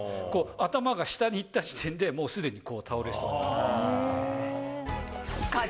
頭が下に行った時点で、もうすでに倒れそう。